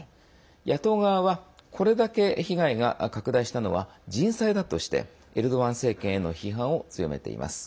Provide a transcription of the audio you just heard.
野党側は、これだけ被害が拡大したのは人災だとしてエルドアン政権への批判を強めています。